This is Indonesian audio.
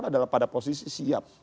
adalah pada posisi siap